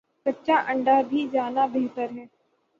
کچا انڈہ پی جانا بہتر ہے